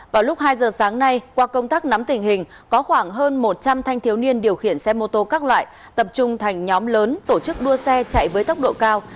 vào lúc hai giờ sáng nay qua công tác nắm tình hình có khoảng hơn một trăm linh thanh thiếu niên điều khiển xe mô tô các loại tập trung thành nhóm lớn tổ chức đua xe chạy với tốc độ cao